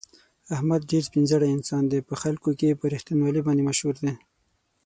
احمد ډېر سپین زړی انسان دی، په خلکو کې په رښتینولي باندې مشهور دی.